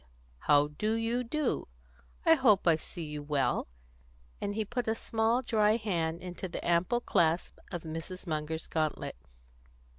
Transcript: how do you do? I hope I see you well," and he put a small dry hand into the ample clasp of Mrs. Munger's gauntlet.